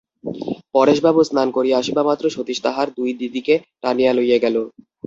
পরেশবাবু স্নান করিয়া আসিবামাত্র সতীশ তাহার দুই দিদিকে টানিয়া লইয়া গেল।